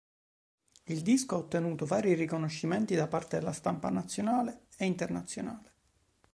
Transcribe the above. Il disco ha ottenuto vari riconoscimenti da parte della stampa nazionale e internazionale.